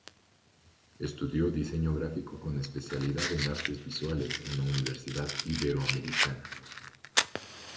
Estudió Diseño Gráfico con especialidad en Artes Visuales en la Universidad Iberoamericana.